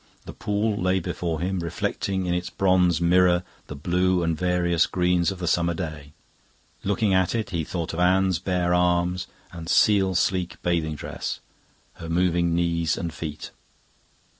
The pool lay before him, reflecting in its bronze mirror the blue and various green of the summer day. Looking at it, he thought of Anne's bare arms and seal sleek bathing dress, her moving knees and feet.